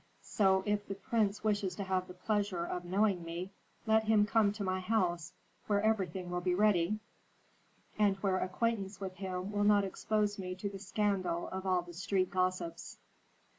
So, if the prince wishes to have the pleasure of knowing me, let him come to my house, where everything will be ready, and where acquaintance with him will not expose me to the scandal of all the street gossips.'